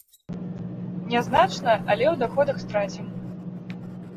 Нязначна, але ў даходах страцім.